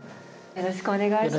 よろしくお願いします。